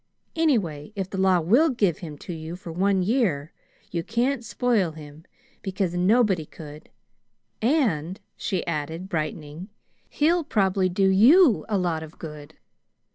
Anyway, if the law will give him to you for one year, you can't spoil him, because nobody could, and," she added, brightening, "he'll probably do you a lot of good.